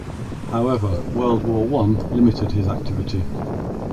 However, World War One limited his activity.